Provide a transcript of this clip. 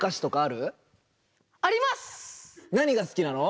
何がすきなの？